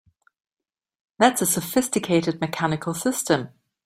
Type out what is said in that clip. That's a sophisticated mechanical system!